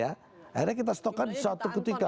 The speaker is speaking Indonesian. akhirnya kita stokkan suatu ketika